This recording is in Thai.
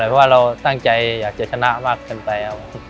เพราะว่าเราตั้งใจอยากจะชนะมากเกินไปครับ